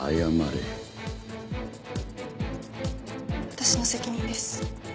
私の責任です。